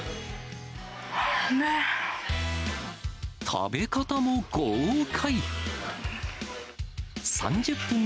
食べ方も豪快。